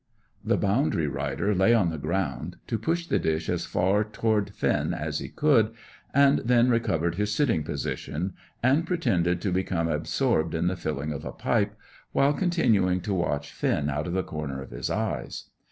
The boundary rider lay on the ground to push the dish as far toward Finn as he could, and then recovered his sitting position, and pretended to become absorbed in the filling of a pipe, while continuing to watch Finn out of the corner of his eyes.